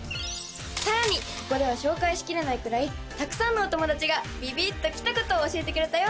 更にここでは紹介しきれないくらいたくさんのお友達がビビッとキタことを教えてくれたよ。